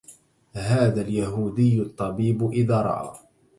هذا اليهودي الطبيب إذا رأى